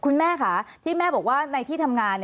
คุณแม่ค่ะที่แม่บอกว่าในที่ทำงาน